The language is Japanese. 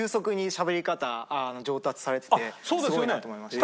でも本当すごいなと思いました。